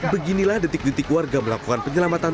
beginilah detik detik warga melakukan penyelamatan